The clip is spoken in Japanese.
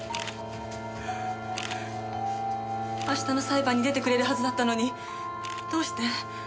明日の裁判に出てくれるはずだったのにどうして？